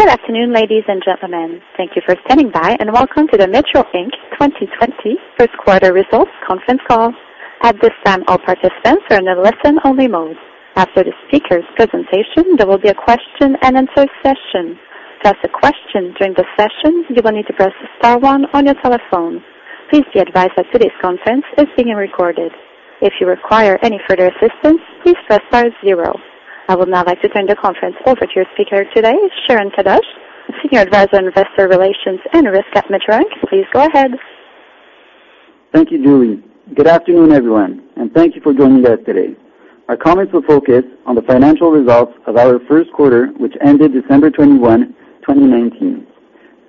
Good afternoon, ladies and gentlemen. Thank you for standing by, and welcome to the Metro Inc. 2020 first quarter results conference call. At this time, all participants are in a listen only mode. After the speaker's presentation, there will be a question and answer session. To ask a question during the session, you will need to press star one on your telephone. Please be advised that today's conference is being recorded. If you require any further assistance, please press star zero. I would now like to turn the conference over to your speaker today, Sharon Kadoche, Senior Advisor on Investor Relations and Risk at Metro Inc. Please go ahead. Thank you, Julie. Good afternoon, everyone, and thank you for joining us today. Our comments will focus on the financial results of our first quarter, which ended December 21, 2019.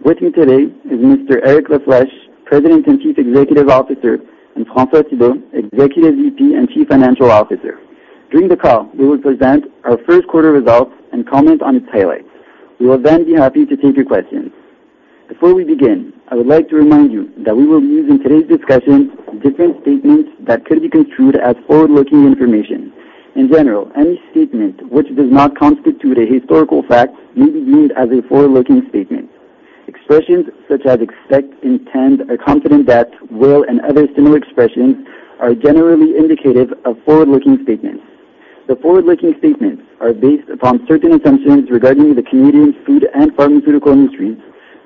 With me today is Mr. Eric La Flèche, President and Chief Executive Officer, and François Thibault, Executive VP and Chief Financial Officer. During the call, we will present our first quarter results and comment on its highlights. We will then be happy to take your questions. Before we begin, I would like to remind you that we will be using today's discussion different statements that could be construed as forward-looking information. In general, any statement which does not constitute a historical fact may be viewed as a forward-looking statement. Expressions such as expect, intend, are confident that, will, and other similar expressions, are generally indicative of forward-looking statements. The forward-looking statements are based upon certain assumptions regarding the community's food and pharmaceutical industries,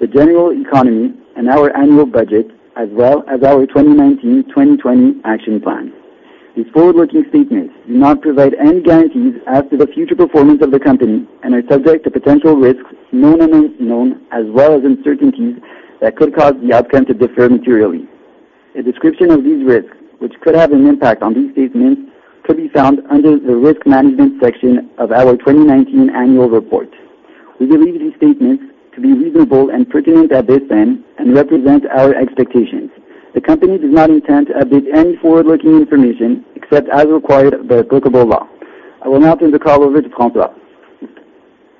the general economy, and our annual budget, as well as our 2019-2020 action plan. These forward-looking statements do not provide any guarantees as to the future performance of the company and are subject to potential risks, known and unknown, as well as uncertainties that could cause the outcome to differ materially. A description of these risks, which could have an impact on these statements, could be found under the Risk Management section of our 2019 annual report. We believe these statements to be reasonable and pertinent at this time and represent our expectations. The company does not intend to update any forward-looking information except as required by applicable law. I will now turn the call over to François.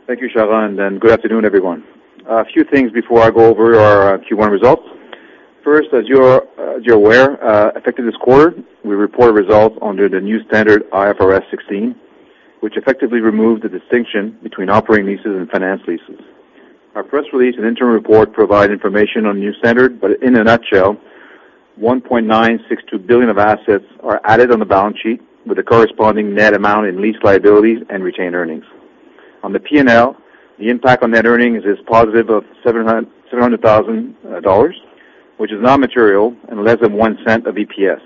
Thank you, Sharon Kadoche, and good afternoon, everyone. A few things before I go over our Q1 results. First, as you're aware, effective this quarter, we report results under the new standard IFRS 16, which effectively removed the distinction between operating leases and finance leases. Our press release and interim report provide information on new standard, but in a nutshell, 1.962 billion of assets are added on the balance sheet with a corresponding net amount in lease liabilities and retained earnings. On the P&L, the impact on net earnings is positive of 700,000 dollars, which is non-material and less than 0.01 of EPS.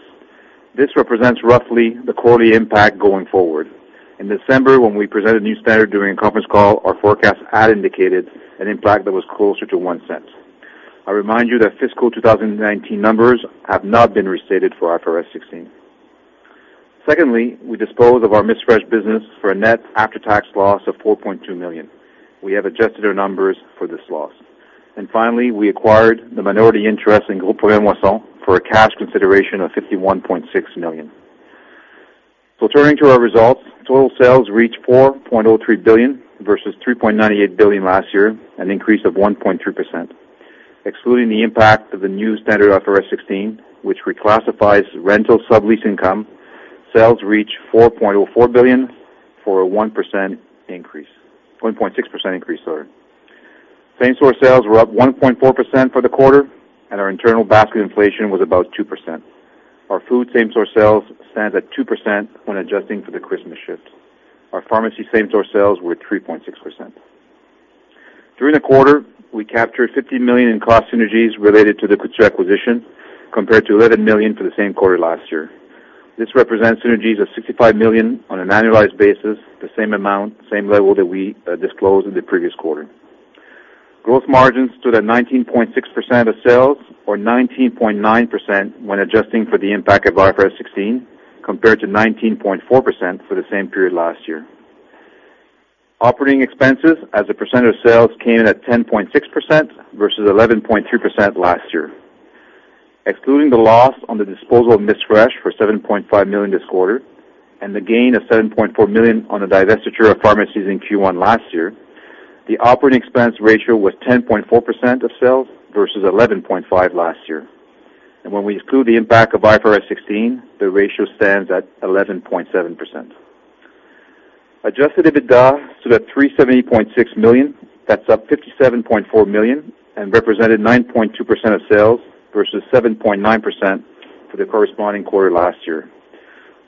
This represents roughly the quarterly impact going forward. In December, when we presented new standard during a conference call, our forecast had indicated an impact that was closer to 0.01. I remind you that fiscal 2019 numbers have not been restated for IFRS 16. Secondly, we disposed of our MissFresh business for a net after-tax loss of 4.2 million. We have adjusted our numbers for this loss. Finally, we acquired the minority interest in Groupe Raymond Chabot for a cash consideration of 51.6 million. Turning to our results, total sales reached 4.03 billion versus 3.98 billion last year, an increase of 1.3%. Excluding the impact of the new standard IFRS 16, which reclassifies rental sublease income, sales reach 4.04 billion for a 1.6% increase. Same-store sales were up 1.4% for the quarter, and our internal basket inflation was about 2%. Our food same-store sales stand at 2% when adjusting for the Christmas shift. Our pharmacy same-store sales were 3.6%. During the quarter, we captured 50 million in cost synergies related to the Jean Coutu acquisition, compared to 11 million for the same quarter last year. This represents synergies of 65 million on an annualized basis, the same amount, same level that we disclosed in the previous quarter. Gross margins stood at 19.6% of sales or 19.9% when adjusting for the impact of IFRS 16, compared to 19.4% for the same period last year. Operating expenses as a % of sales came in at 10.6% versus 11.2% last year. Excluding the loss on the disposal of MissFresh for 7.5 million this quarter and the gain of 7.4 million on the divestiture of pharmacies in Q1 last year, the operating expense ratio was 10.4% of sales versus 11.5% last year. When we exclude the impact of IFRS 16, the ratio stands at 11.7%. Adjusted EBITDA stood at 370.6 million. That's up 57.4 million and represented 9.2% of sales versus 7.9% for the corresponding quarter last year.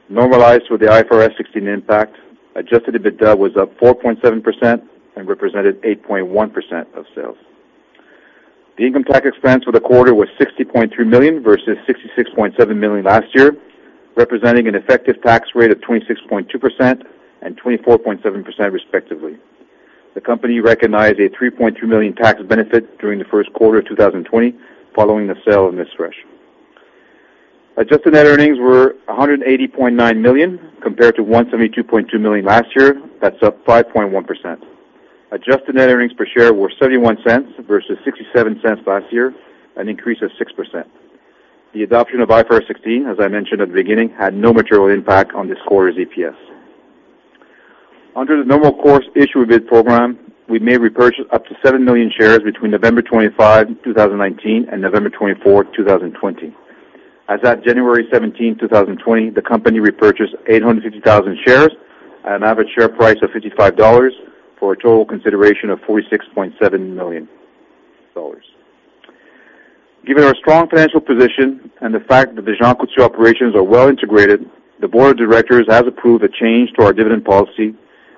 Normalized with the IFRS 16 impact, adjusted EBITDA was up 4.7% and represented 8.1% of sales. The income tax expense for the quarter was 60.3 million versus 66.7 million last year, representing an effective tax rate of 26.2% and 24.7%, respectively. The company recognized a 3.2 million tax benefit during the first quarter of 2020 following the sale of MissFresh. Adjusted net earnings were 180.9 million, compared to 172.2 million last year. That's up 5.1%. Adjusted net earnings per share were 0.71 versus 0.67 last year, an increase of 6%. The adoption of IFRS 16, as I mentioned at the beginning, had no material impact on this quarter's EPS. Under the normal course issue bid program, we may repurchase up to 7 million shares between November 25, 2019, and November 24, 2020. As at January 17, 2020, the company repurchased 850,000 shares at an average share price of 55 dollars for a total consideration of 46.7 million dollars. Given our strong financial position and the fact that the Jean Coutu operations are well integrated, the board of directors has approved a change to our dividend policy,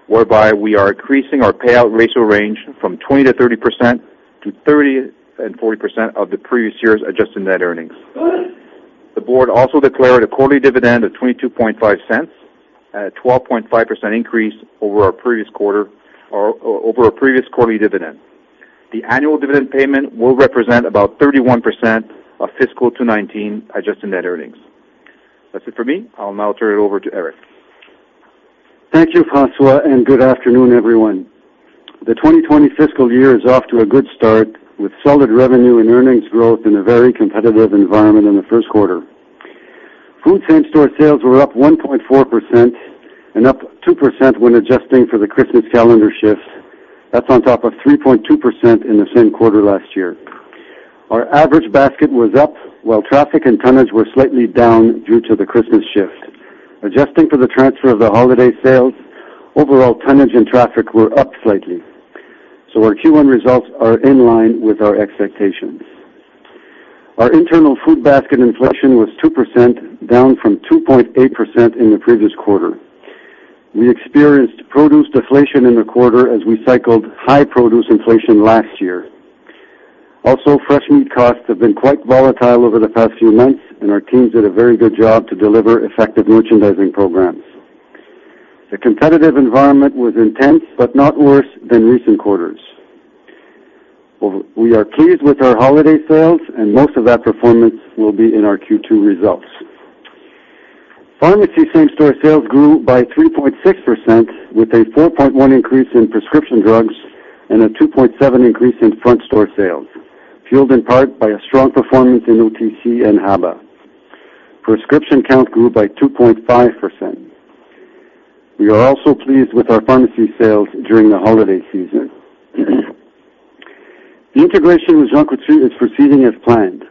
whereby we are increasing our payout ratio range from 20%-30%, to 30% and 40% of the previous year's adjusted net earnings. The board also declared a quarterly dividend of 0.225 at a 12.5% increase over our previous quarter or over our previous quarterly dividend. The annual dividend payment will represent about 31% of fiscal 2019 adjusted net earnings. That's it for me. I'll now turn it over to Eric. Thank you, François, and good afternoon, everyone. The 2020 fiscal year is off to a good start with solid revenue and earnings growth in a very competitive environment in the first quarter. Food same-store sales were up 1.4% and up 2% when adjusting for the Christmas calendar shifts. That's on top of 3.2% in the same quarter last year. Our average basket was up while traffic and tonnage were slightly down due to the Christmas shift. Adjusting for the transfer of the holiday sales, overall tonnage and traffic were up slightly. Our Q1 results are in line with our expectations. Our internal food basket inflation was 2%, down from 2.8% in the previous quarter. We experienced produce deflation in the quarter as we cycled high produce inflation last year. Fresh meat costs have been quite volatile over the past few months, and our teams did a very good job to deliver effective merchandising programs. The competitive environment was intense, but not worse than recent quarters. We are pleased with our holiday sales, and most of that performance will be in our Q2 results. Pharmacy same-store sales grew by 3.6%, with a 4.1% increase in prescription drugs and a 2.7% increase in front store sales, fueled in part by a strong performance in OTC and HBA. Prescription count grew by 2.5%. We are also pleased with our pharmacy sales during the holiday season. The integration with Jean Coutu is proceeding as planned,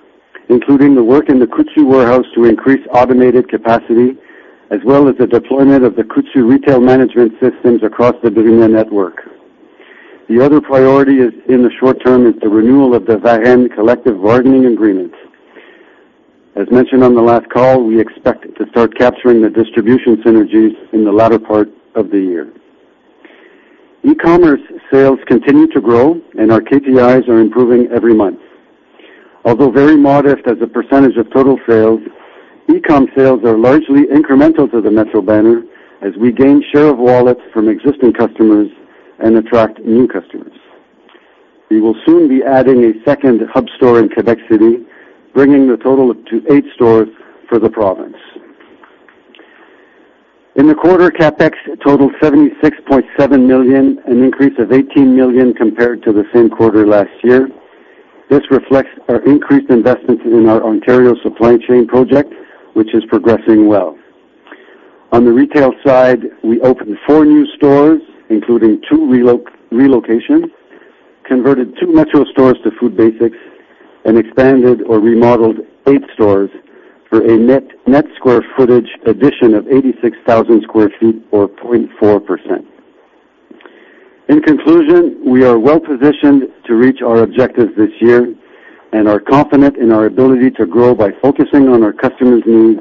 including the work in the Coutu warehouse to increase automated capacity, as well as the deployment of the Coutu retail management systems across the Brunet network. The other priority in the short-term is the renewal of the Varennes collective bargaining agreement. As mentioned on the last call, we expect to start capturing the distribution synergies in the latter part of the year. e-commerce sales continue to grow, and our KPIs are improving every month. Although very modest as a percentage of total sales, e-com sales are largely incremental to the Metro banner as we gain share of wallets from existing customers and attract new customers. We will soon be adding a second hub store in Quebec City, bringing the total up to eight stores for the province. In the quarter, CapEx totaled 76.7 million, an increase of 18 million compared to the same quarter last year. This reflects our increased investments in our Ontario supply chain project, which is progressing well. On the retail side, we opened four new stores, including two relocations, converted two Metro stores to Food Basics, and expanded or remodeled eight stores for a net square footage addition of 86,000 sq ft or 24%. We are well-positioned to reach our objectives this year and are confident in our ability to grow by focusing on our customers' needs,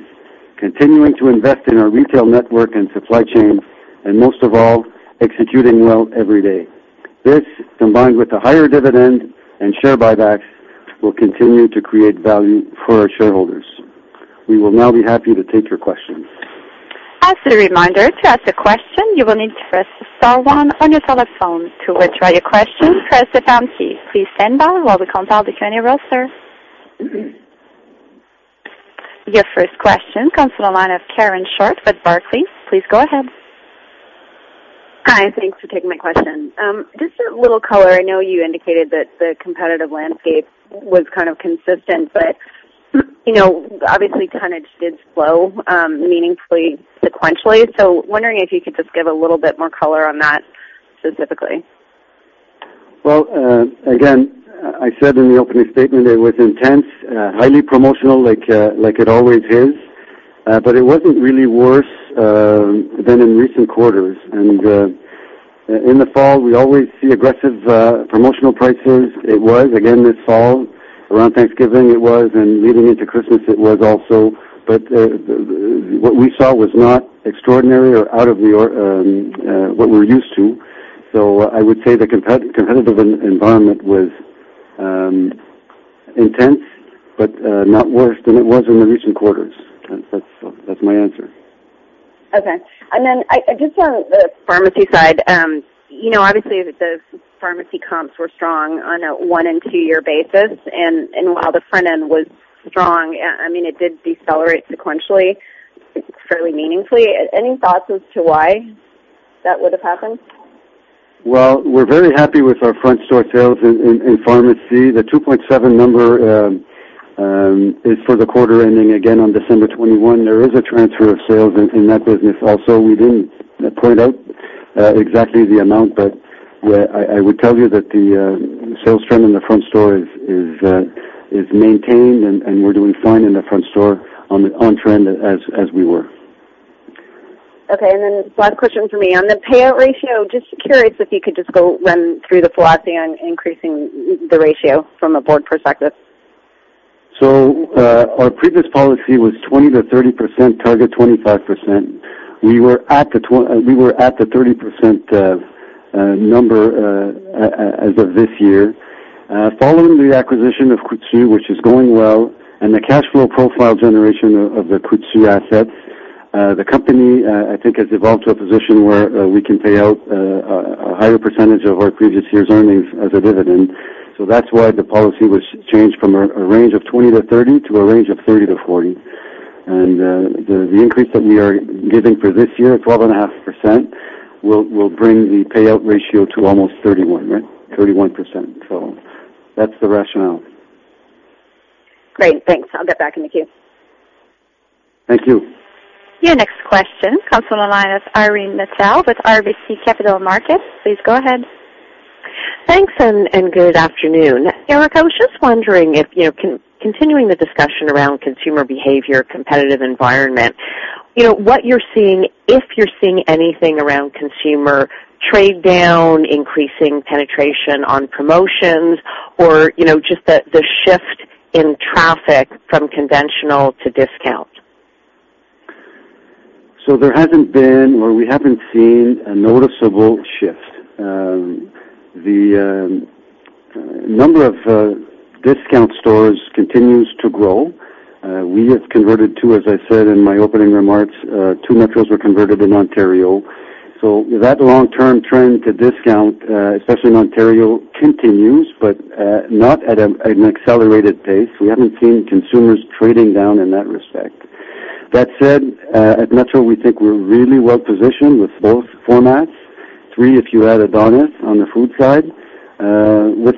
continuing to invest in our retail network and supply chain, and most of all, executing well every day. This, combined with a higher dividend and share buybacks, will continue to create value for our shareholders. We will now be happy to take your questions. As a reminder, to ask a question, you will need to press star one on your telephone. To withdraw your question, press the pound key. Please stand by while we compile the attendee roll, sir. Your first question comes from the line of Karen Short with Barclays. Please go ahead. Hi, thanks for taking my question. Just a little color. I know you indicated that the competitive landscape was kind of consistent. Obviously tonnage did slow meaningfully sequentially. Wondering if you could just give a little bit more color on that specifically. Again, I said in the opening statement it was intense, highly promotional like it always is. It wasn't really worse than in recent quarters. In the fall, we always see aggressive promotional prices. It was again this fall, around Thanksgiving it was, leading into Christmas it was also. What we saw was not extraordinary or out of what we're used to. I would say the competitive environment was intense, not worse than it was in the recent quarters. That's my answer. Okay. Just on the pharmacy side, obviously the pharmacy comps were strong on a one and two-year basis. While the front end was strong, it did decelerate sequentially fairly meaningfully. Any thoughts as to why that would have happened? Well, we're very happy with our front store sales in pharmacy. The 2.7 number is for the quarter ending again on December 21. There is a transfer of sales in that business also. We didn't point out exactly the amount, but I will tell you that the sales trend in the front store is maintained, and we're doing fine in the front store on trend as we were. Okay, last question from me. On the payout ratio, just curious if you could just go run through the philosophy on increasing the ratio from a board perspective. Our previous policy was 20%-30%, target 25%. We were at the 30% number as of this year. Following the acquisition of Jean Coutu, which is going well, and the cash flow profile generation of the Coutu assets, the company, I think, has evolved to a position where we can pay out a higher percentage of our previous year's earnings as a dividend. That's why the policy was changed from a range of 20%-30% to a range of 30%-40%. The increase that we are giving for this year, 12.5%, will bring the payout ratio to almost 31%, right? 31%. That's the rationale. Great, thanks. I'll get back in the queue. Thank you. Your next question comes from the line of Irene Nattel with RBC Capital Markets. Please go ahead. Thanks, and good afternoon. Eric, I was just wondering if, continuing the discussion around consumer behavior, competitive environment, what you're seeing, if you're seeing anything around consumer trade down, increasing penetration on promotions, or just the shift in traffic from conventional to discount. There hasn't been, or we haven't seen a noticeable shift. The number of discount stores continues to grow. We have converted two, as I said in my opening remarks, two Metros were converted in Ontario. That long-term trend to discount, especially in Ontario, continues, but not at an accelerated pace. We haven't seen consumers trading down in that respect. That said, at Metro, we think we're really well-positioned with both formats. Three, if you add Adonis on the food side, with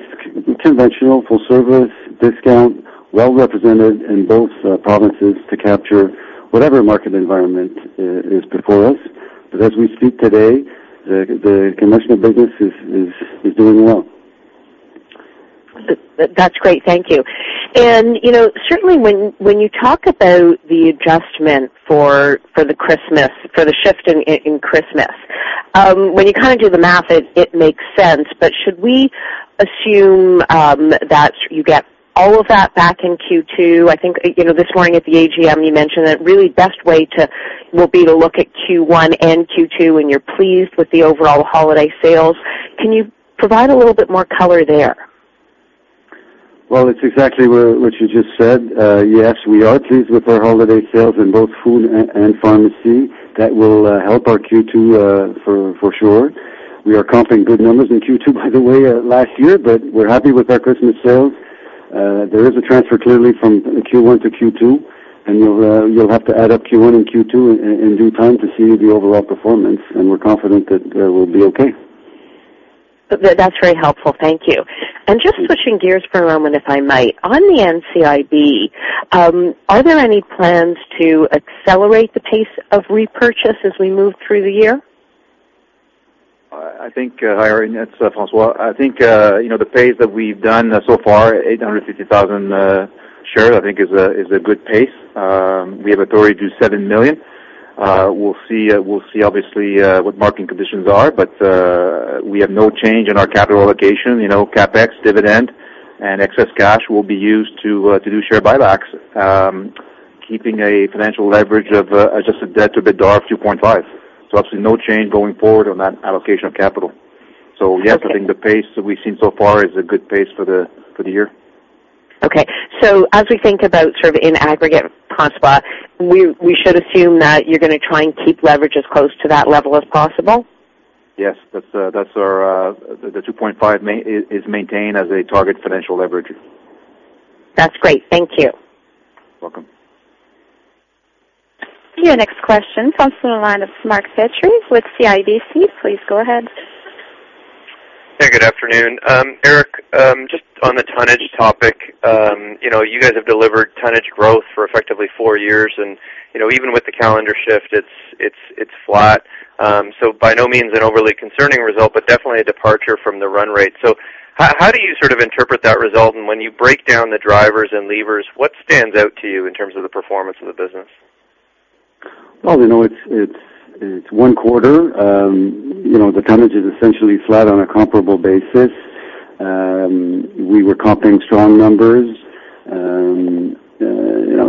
conventional full-service discount well-represented in both provinces to capture whatever market environment is before us. As we speak today, the conventional business is doing well. That's great. Thank you. Certainly when you talk about the adjustment for the shift in Christmas, when you do the math, it makes sense. Should we assume that you get all of that back in Q2? I think, this morning at the AGM, you mentioned that really best way will be to look at Q1 and Q2 when you're pleased with the overall holiday sales. Can you provide a little bit more color there? It's exactly what you just said. Yes, we are pleased with our holiday sales in both food and pharmacy. That will help our Q2 for sure. We are comping good numbers in Q2, by the way, last year, but we're happy with our Christmas sales. There is a transfer clearly from Q1 to Q2, and you'll have to add up Q1 and Q2 in due time to see the overall performance, and we're confident that we'll be okay. That's very helpful. Thank you. Just switching gears for a moment, if I might. On the NCIB, are there any plans to accelerate the pace of repurchase as we move through the year? I think, Irene, that's François. I think, the pace that we've done so far, 850,000 shares, I think is a good pace. We have authority to 7 million. We'll see obviously what marketing conditions are, but we have no change in our capital allocation. CapEx, dividend, and excess cash will be used to do share buybacks, keeping a financial leverage of adjusted debt to EBITDA of 2.5. Absolutely no change going forward on that allocation of capital. Yes. Okay I think the pace that we've seen so far is a good pace for the year. Okay. As we think about sort of in aggregate, François, we should assume that you're going to try and keep leverage as close to that level as possible? Yes. The 2.5 is maintained as a target financial leverage. That's great. Thank you. Welcome. Your next question comes from the line of Mark Petrie with CIBC. Please go ahead. Hey, good afternoon. Eric, just on the tonnage topic, you guys have delivered tonnage growth for effectively 4 years and even with the calendar shift, it's flat. By no means an overly concerning result, but definitely a departure from the run rate. How do you sort of interpret that result? When you break down the drivers and levers, what stands out to you in terms of the performance of the business? Well, it's one quarter. The tonnage is essentially flat on a comparable basis. We were comping strong numbers.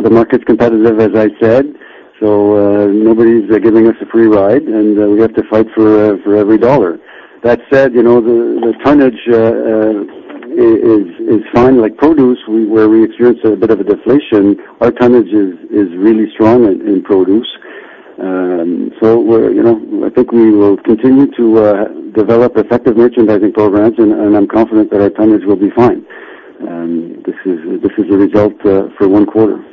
The market's competitive, as I said, nobody's giving us a free ride, we have to fight for every dollar. That said, the tonnage is fine like produce, where we experienced a bit of a deflation. Our tonnage is really strong in produce. I think we will continue to develop effective merchandising programs, I'm confident that our tonnage will be fine. This is a result for one quarter.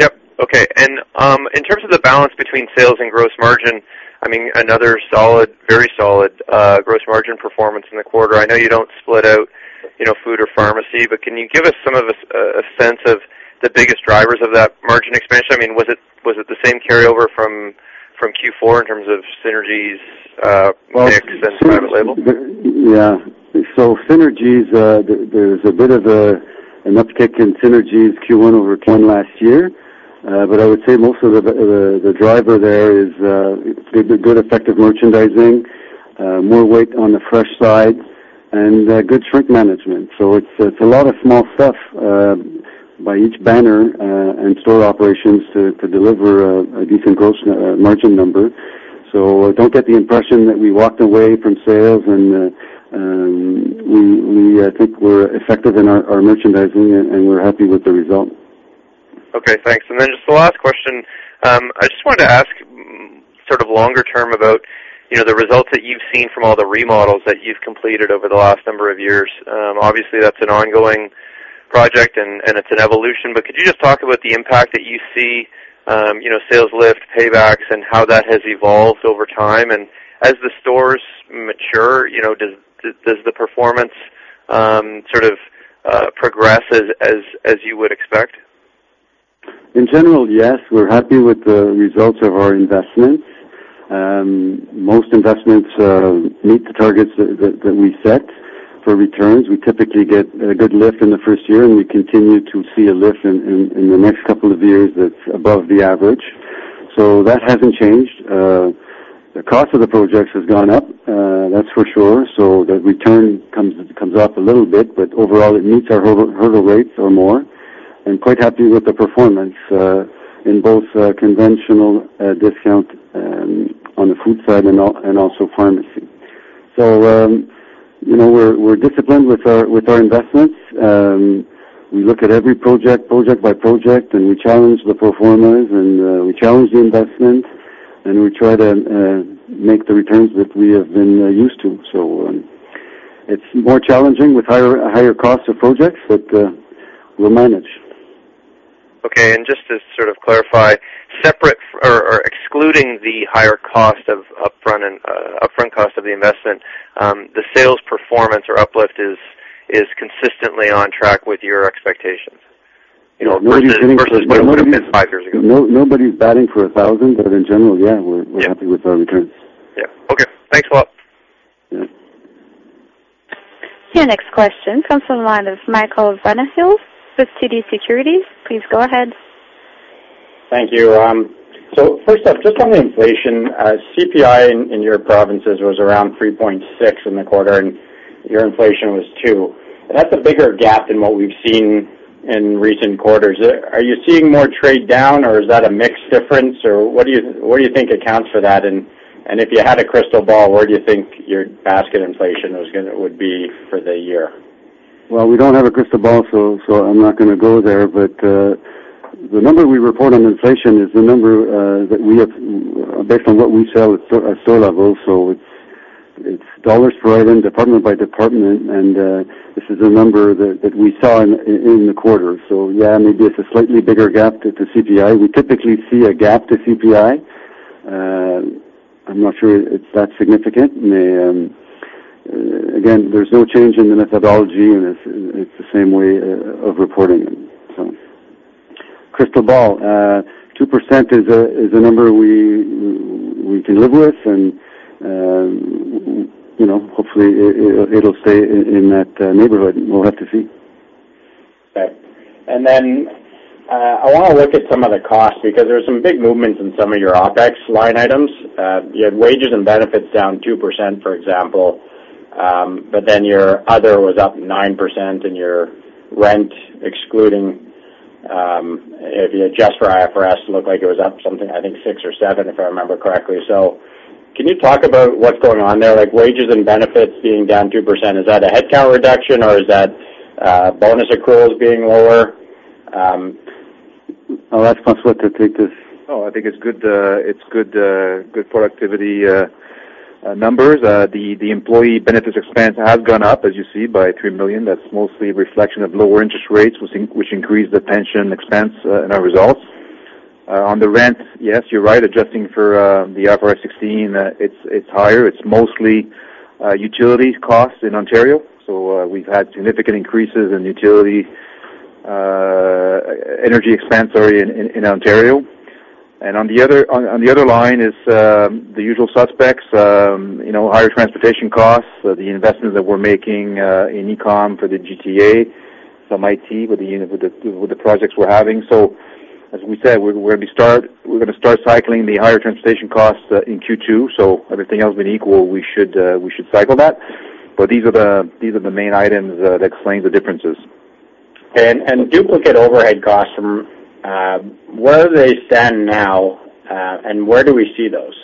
Yep. Okay. In terms of the balance between sales and gross margin, I mean, another very solid gross margin performance in the quarter. I know you don't split out food or pharmacy, but can you give us a sense of the biggest drivers of that margin expansion? Was it the same carryover from Q4 in terms of synergies, mix, and private label? Synergies, there's a bit of an uptick in synergies Q1 over Q1 last year. I would say most of the driver there is good effective merchandising, more weight on the fresh side, and good shrink management. It's a lot of small stuff by each banner and store operations to deliver a decent gross margin number. Don't get the impression that we walked away from sales, and we think we're effective in our merchandising, and we're happy with the result. Okay, thanks. Then just the last question, I just wanted to ask longer term about the results that you've seen from all the remodels that you've completed over the last number of years. Obviously, that's an ongoing project and it's an evolution, could you just talk about the impact that you see, sales lift, paybacks, and how that has evolved over time? As the stores mature, does the performance progress as you would expect? In general, yes. We're happy with the results of our investments. Most investments meet the targets that we set for returns. We typically get a good lift in the first year, and we continue to see a lift in the next couple of years that's above the average. That hasn't changed. The cost of the projects has gone up, that's for sure. The return comes up a little bit, overall, it meets our hurdle rates or more, and quite happy with the performance, in both conventional discount on the food side and also pharmacy. We're disciplined with our investments. We look at every project by project, and we challenge the pro formas, and we challenge the investments, and we try to make the returns that we have been used to. It's more challenging with higher costs of projects, but we'll manage. Okay, just to clarify, excluding the higher upfront cost of the investment, the sales performance or uplift is consistently on track with your expectations. Nobody's batting for 1,000. Versus what it would've been five years ago. Nobody's batting for 1,000, but in general, yeah, we're happy with our returns. Yeah. Okay. Thanks a lot. Yeah. Your next question comes from the line of Michael Van Aelst with TD Securities. Please go ahead. Thank you. First up, just on the inflation, CPI in your provinces was around 3.6% in the quarter, and your inflation was 2%. That's a bigger gap than what we've seen in recent quarters. Are you seeing more trade down, or is that a mix difference, or what do you think accounts for that? If you had a crystal ball, where do you think your basket inflation would be for the year? Well, we don't have a crystal ball, I'm not going to go there. The number we report on inflation is the number that based on what we sell at store level. It's dollars for item, department by department, this is a number that we saw in the quarter. Yeah, maybe it's a slightly bigger gap to CPI. We typically see a gap to CPI. I'm not sure it's that significant. Again, there's no change in the methodology, it's the same way of reporting it. Crystal ball, 2% is a number we can live with, hopefully, it'll stay in that neighborhood. We'll have to see. Okay. Then I want to look at some of the costs, because there are some big movements in some of your OpEx line items. You had wages and benefits down 2%, for example, then your other was up 9%, your rent, if you adjust for IFRS, looked like it was up something, I think six or seven, if I remember correctly. Can you talk about what's going on there? Like wages and benefits being down 2%, is that a headcount reduction, or is that bonus accruals being lower? I'll ask François to take this. Oh, I think it's good productivity numbers. The employee benefits expense has gone up, as you see, by 3 million. That's mostly a reflection of lower interest rates, which increased the pension expense in our results. On the rent, yes, you're right. Adjusting for the IFRS 16, it's higher. It's mostly utilities costs in Ontario. We've had significant increases in utility energy expense in Ontario. On the other line is the usual suspects, higher transportation costs, the investments that we're making in e-com for the GTA, some IT with the projects we're having. As we said, we're going to start cycling the higher transportation costs in Q2. Everything else being equal, we should cycle that. These are the main items that explain the differences. Okay. Duplicate overhead costs from where they stand now and where do we see those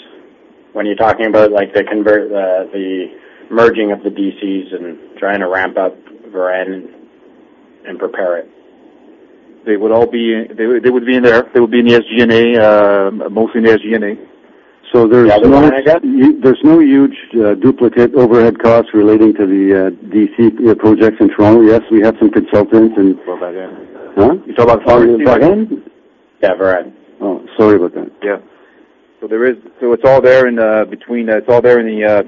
when you're talking about the merging of the DCs and trying to ramp up Varennes and prepare it? They would be in the SG&A, mostly in the SG&A. The other line item? There's no huge duplicate overhead costs relating to the DC projects in Toronto. Yes, we have some consultants and- You saw that, yeah. Huh? You saw that- Oh, Varennes? Yeah, Varennes. Oh, sorry about that. Yeah. It's all there in the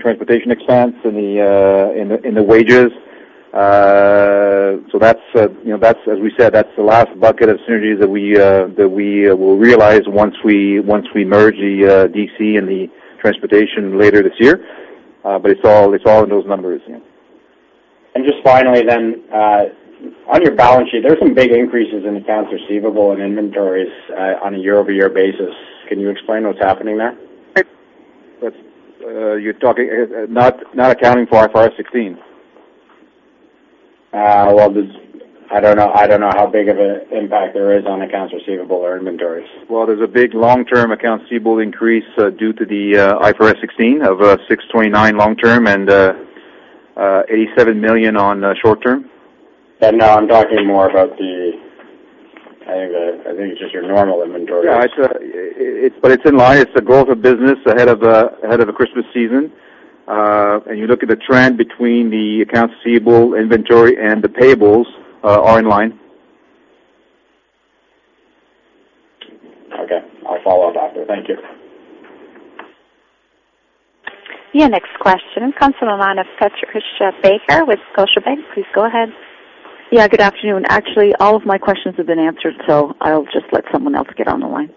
transportation expense, in the wages. As we said, that's the last bucket of synergies that we will realize once we merge the DC and the transportation later this year. It's all in those numbers. Just finally, on your balance sheet, there's some big increases in accounts receivable and inventories on a year-over-year basis. Can you explain what's happening there? You're talking not accounting for IFRS 16? Well, I don't know how big of an impact there is on accounts receivable or inventories. Well, there's a big long-term accounts receivable increase due to the IFRS 16 of 629 long-term and 87 million on short-term. No, I'm talking more about, I think it's just your normal inventory. Yeah. It's in line. It's the growth of business ahead of the Christmas season. You look at the trend between the accounts receivable, inventory, and the payables, are in line. Okay. I'll follow up after. Thank you. Your next question comes from the line of Tricia Baker with Scotiabank. Please go ahead. Yeah, good afternoon. Actually, all of my questions have been answered. I'll just let someone else get on the line.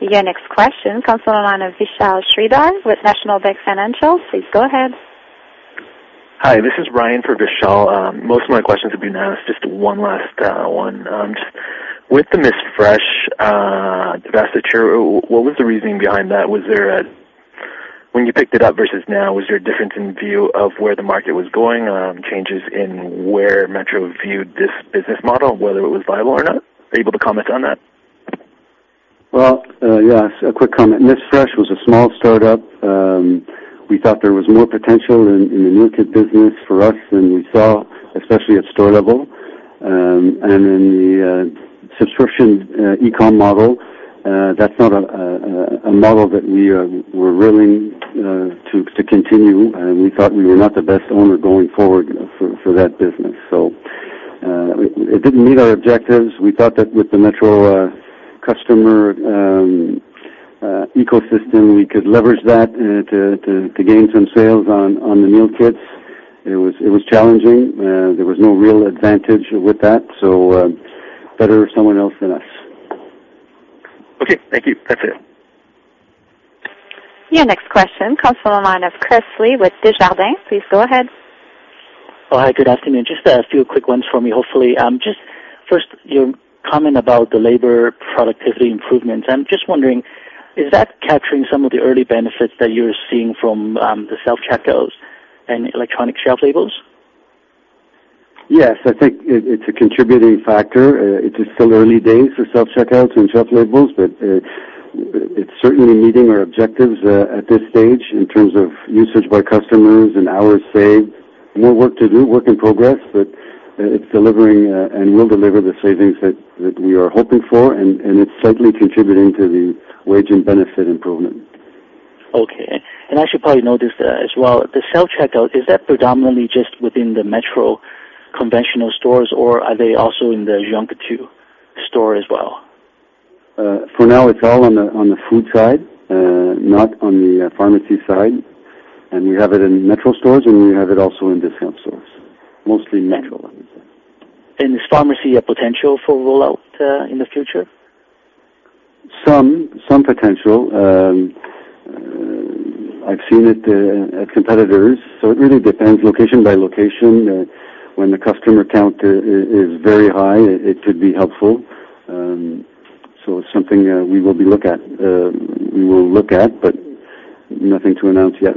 Your next question comes from the line of Vishal Sridhar with National Bank Financial. Please go ahead. Hi, this is Ryan for Vishal. Most of my questions have been asked, just one last one. With the MissFresh divestiture, what was the reasoning behind that? When you picked it up versus now, was there a difference in view of where the market was going, changes in where Metro viewed this business model, whether it was viable or not? Are you able to comment on that? Well, yes, a quick comment. MissFresh was a small startup. We thought there was more potential in the meal kit business for us than we saw, especially at store level. In the subscription e-com model, that's not a model that we were willing to continue, and we thought we were not the best owner going forward for that business. It didn't meet our objectives. We thought that with the Metro customer ecosystem, we could leverage that to gain some sales on the meal kits. It was challenging. There was no real advantage with that, better someone else than us. Okay. Thank you. That's it. Your next question comes from the line of Chris Li with Desjardins. Please go ahead. Hi. Good afternoon. Just a few quick ones for me, hopefully. Just first, your comment about the labor productivity improvements. I'm just wondering, is that capturing some of the early benefits that you're seeing from the self-checkouts and electronic shelf labels? Yes, I think it's a contributing factor. It is still early days for self-checkouts and shelf labels, but it's certainly meeting our objectives at this stage in terms of usage by customers and hours saved. More work to do, work in progress, but it's delivering, and will deliver the savings that we are hoping for, and it's certainly contributing to the wage and benefit improvement. Okay. I should probably note this as well, the self-checkout, is that predominantly just within the Metro conventional stores, or are they also in the Jean Coutu store as well? For now, it's all on the food side, not on the pharmacy side. We have it in Metro stores, and we have it also in discount stores. Mostly Metro. Is pharmacy a potential for rollout in the future? Some potential. I've seen it at competitors, it really depends location by location. When the customer count is very high, it could be helpful. It's something we will look at, but nothing to announce yet.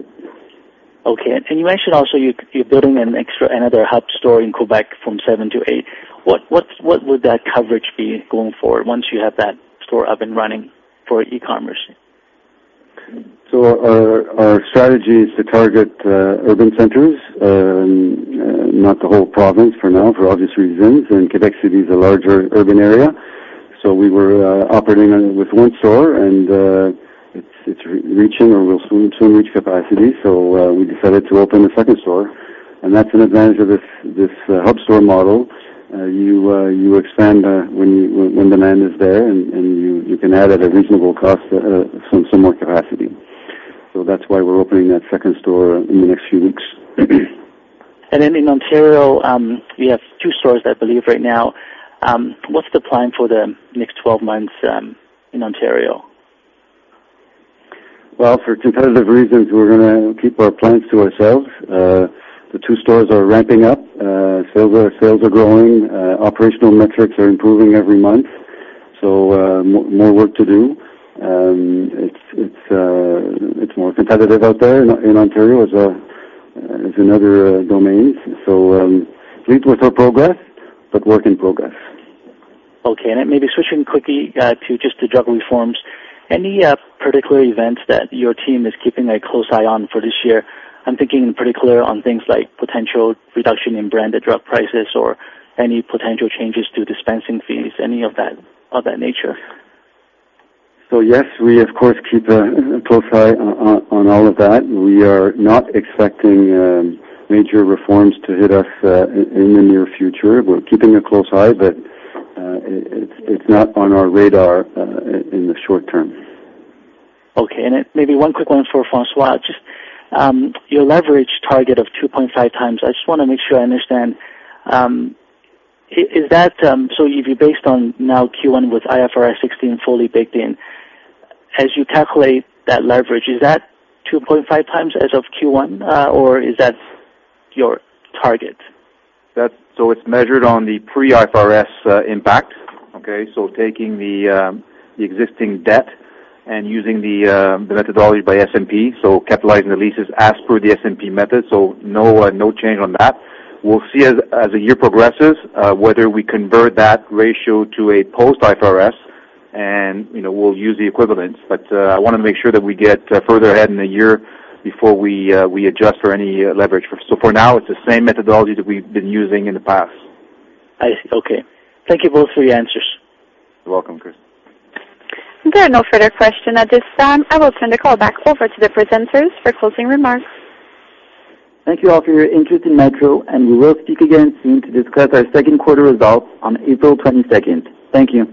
Okay. You mentioned also you're building another hub store in Quebec from seven to eight. What would that coverage be going forward once you have that store up and running for e-commerce? Our strategy is to target urban centers, not the whole province for now, for obvious reasons, and Quebec City is a larger urban area. We were operating with one store, and it's reaching or will soon reach capacity. We decided to open a second store. That's an advantage of this hub store model. You expand when demand is there, and you can add, at a reasonable cost, some more capacity. That's why we're opening that second store in the next few weeks. In Ontario, we have two stores, I believe, right now. What's the plan for the next 12 months in Ontario? For competitive reasons, we're going to keep our plans to ourselves. The two stores are ramping up. Sales are growing. Operational metrics are improving every month. More work to do. It's more competitive out there in Ontario as in other domains. Pleased with our progress, work in progress. Okay. Maybe switching quickly to just the drug reforms. Any particular events that your team is keeping a close eye on for this year? I'm thinking in particular on things like potential reduction in branded drug prices or any potential changes to dispensing fees, any of that nature. Yes, we, of course, keep a close eye on all of that. We are not expecting major reforms to hit us in the near future. We're keeping a close eye, but it's not on our radar in the short term. Okay. Maybe one quick one for François. Just your leverage target of 2.5 times, I just wanna make sure I understand. If you based on now Q1 with IFRS 16 fully baked in, as you calculate that leverage, is that 2.5 times as of Q1, or is that your target? It's measured on the pre-IFRS impact. Okay, taking the existing debt and using the methodology by S&P, capitalizing the leases as per the S&P method. No change on that. We'll see as the year progresses, whether we convert that ratio to a post-IFRS and we'll use the equivalents. I wanna make sure that we get further ahead in the year before we adjust for any leverage. For now, it's the same methodology that we've been using in the past. I see. Okay. Thank you both for your answers. You're welcome, Chris. There are no further question at this time. I will turn the call back over to the presenters for closing remarks. Thank you all for your interest in Metro, and we will speak again soon to discuss our second quarter results on April 22nd. Thank you.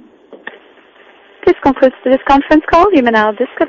This concludes this conference call. You may now disconnect.